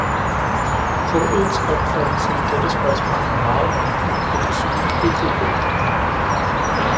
Rådets opfattelse i dette spørgsmål er meget mærkelig og desuden urovækkende.